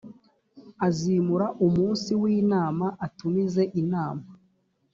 azimura umunsi w inama atumize inama